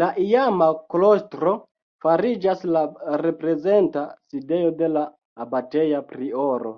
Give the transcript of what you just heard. La iama klostro fariĝas la reprezenta sidejo de la abateja prioro.